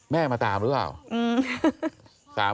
มาตามหรือเปล่า